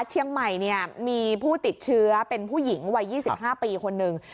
เชียงใหม่มีผู้ติดเชื้อเป็นผู้หญิงวัย๒๕ปีคนหนึ่ง